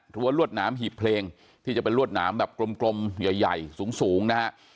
รวดหนามหีบเพลงที่จะเป็นรวดหนามแบบกลมใหญ่สูงนะฮะ